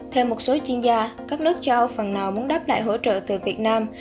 theo một số chuyên gia các nước châu âu phần nào muốn đáp lại hỗ trợ từ việt nam